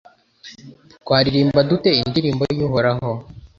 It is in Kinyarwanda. Twaririmba dute indirimbo y’Uhoraho